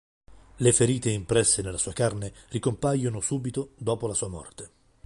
Le ferite impresse nella sua carne ricompaiono subito dopo la sua morte.